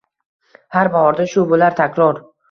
Har bahorda shu bo’lar takror